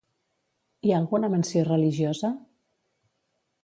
Hi ha alguna menció religiosa?